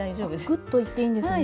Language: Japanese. グッといっていいんですね。